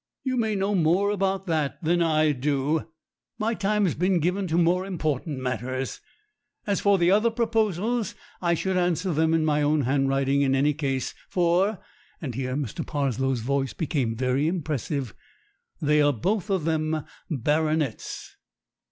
You may know more about that than I do my time's been given to more important matters. As for the other proposals, I should answer them in my own handwriting in any case, for" and here Mr. Parslow's voice became very impressive "they are both of them baronets."